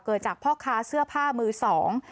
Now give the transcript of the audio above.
จากพ่อค้าเสื้อผ้ามือสอง